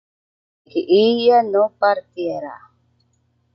que ella no partiera